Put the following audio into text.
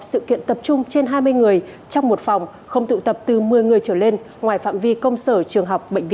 sự kiện tập trung trên hai mươi người trong một phòng không tụ tập từ một mươi người trở lên ngoài phạm vi công sở trường học bệnh viện